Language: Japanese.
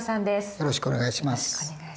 よろしくお願いします。